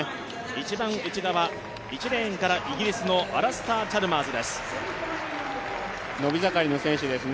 一番内側、１レーンからイギリスのアラスター・チャルマーズです。